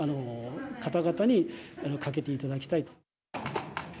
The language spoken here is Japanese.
方々に、かけていただきたいと。